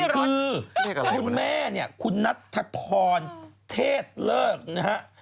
คือคุณแม่เนี่ยคุณนัทธพรเทศเลิกนะฮะ